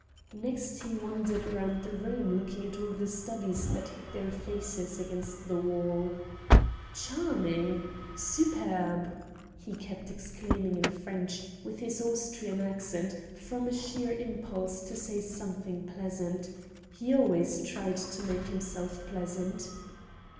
Next he wandered round the room looking at all the studies that hid their faces against the wall. "Charming!" "Superb!" he kept exclaiming in French, with his Austrian accent, from a sheer impulse to say something pleasant he always tried to make himself pleasant.